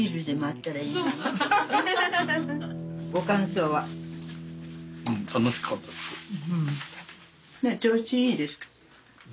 調子いいですか？